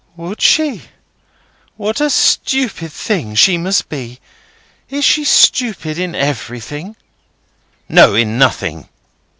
"Would she? What a stupid thing she must be! Is she stupid in everything?" "No; in nothing."